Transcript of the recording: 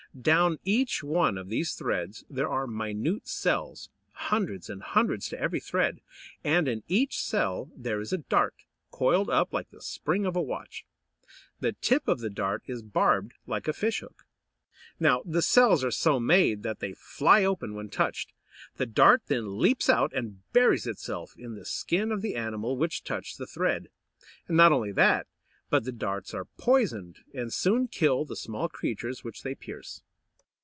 Down each one of these threads there are minute cells, hundreds and hundreds to every thread; and in each cell there is a dart, coiled up like the spring of a watch. The tip of the dart is barbed like a fishhook. Now the cells are so made that they fly open when touched. The dart then leaps out and buries itself in the skin of the animal which touched the thread. Not only that, but the darts are poisoned, and soon kill the small creatures which they pierce.